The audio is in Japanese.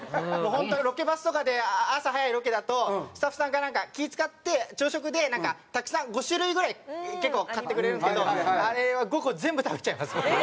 ホントにロケバスとかで朝早いロケだとスタッフさんがなんか気ぃ使って朝食でたくさん５種類ぐらい結構買ってくれるけどあれを５個全部食べちゃいます僕。